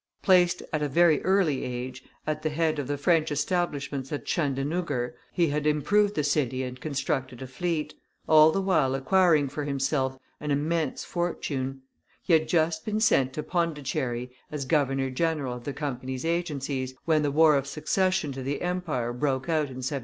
Placed at a very early age at the head of the French establishments at Chandernuggur, he had improved the city and constructed a fleet, all the while acquiring for himself an immense fortune; he had just been sent to Pondicherry as governor general of the Company's agencies, when the war of succession to the empire broke out in 1742.